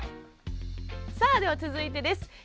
さあでは続いてです。